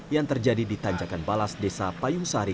yang terjadi di tanjakan balas desa payung sari